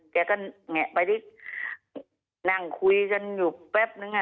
แกก็แงะไปที่นั่งคุยกันอยู่แป๊บนึงอ่ะ